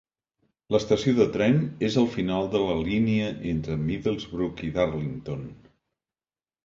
L'estació de tren és al final de la línia entre Middlesbrough i Darlington.